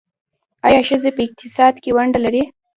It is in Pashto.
آیا ښځې په اقتصاد کې ونډه لري؟